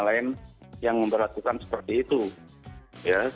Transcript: lain yang memperlakukan seperti itu ya